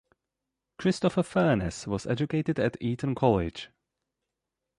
Christopher Furness was educated at Eton College.